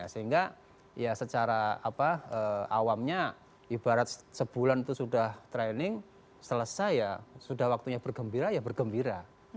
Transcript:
sehingga ya secara awamnya ibarat sebulan itu sudah training selesai ya sudah waktunya bergembira ya bergembira